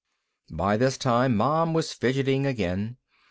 By this time, Mom was fidgeting again.